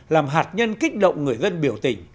làm hạt nhân kích động người dân biểu tình